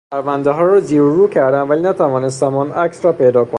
پروندهها را زیر و رو کردم ولی نتوانستم آن عکس را پیدا کنم.